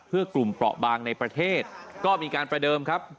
เพื่อกลุ่มเปราะบางในประเทศก็มีการประเดิมครับ